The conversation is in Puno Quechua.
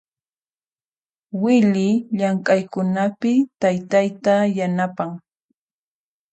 Wily llamk'aykunapi taytayta yanapan.